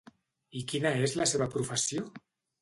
I quina és la seva professió?